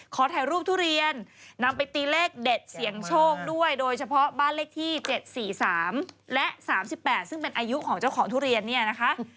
ถ่ายรูปทุเรียนนำไปตีเลขเด็ดเสี่ยงโชคด้วยโดยเฉพาะบ้านเลขที่๗๔๓และ๓๘ซึ่งเป็นอายุของเจ้าของทุเรียนเนี่ยนะคะ